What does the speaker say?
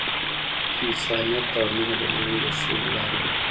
انسانیت او مینه د نړۍ د سولې لاره ده.